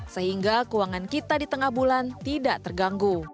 sehingga keuangan kita di tengah bulan tidak terganggu